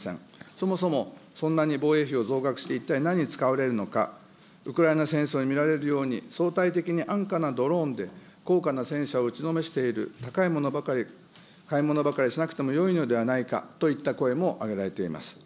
そもそも、そんなに防衛費を増額して、一体何に使われるのか、ウクライナ戦争に見られるように、相対的に安価なドローンでこうかな戦車を打ちのめしている、高いものばかり、買い物ばかりしなくてもいいのではないかという声も上げられています。